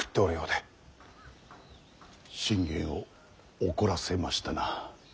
信玄を怒らせましたな。